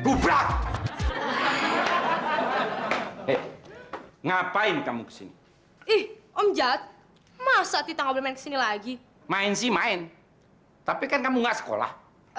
gubrat ngapain kamu kesini ih om jat masa kita ke sini lagi main main tapi kan kamu nggak sekolah